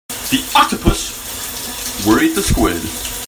The octopus worried the squid.